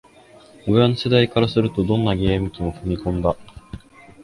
親の世代からすると、どんなゲーム機も「ファミコン」だ